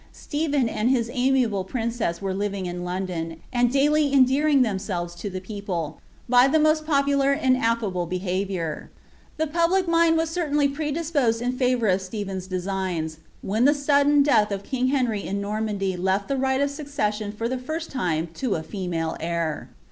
Stephen and his amiable princess were living in London, and daily endearing themselves to the people, by the roost popular and affiible behaviour. The public mind was certainly predisposed in &vour of Stephen's designs, when the sudden death of kinz Henry in Normandy lef^ the right of succession for the first time to I female heir.